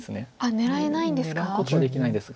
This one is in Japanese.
狙えないんですか？